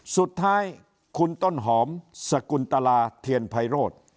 สุดท้ายคุณต้นหอมสกุลตลาเทียนไพโรธ